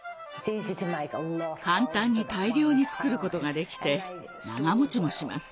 簡単に大量に作ることができて長持ちもします。